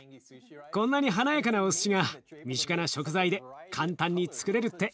こんなに華やかなおすしが身近な食材で簡単につくれるって驚きだね。